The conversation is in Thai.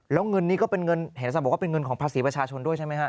แล้วเงินนี้ก็เป็นเงินเห็นศักดิ์บอกว่าเป็นเงินของภาษีประชาชนด้วยใช่ไหมฮะ